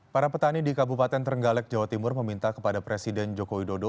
para petani di kabupaten trenggalek jawa timur meminta kepada presiden joko widodo